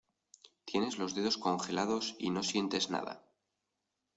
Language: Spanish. tienes los dedos congelados y no sientes nada.